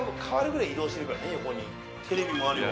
テレビもあるよ